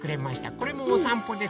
これもおさんぽです。